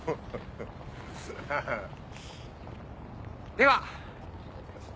では